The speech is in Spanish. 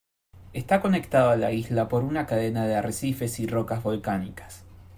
Está conectado a la isla por una cadena de arrecifes y rocas volcánicas.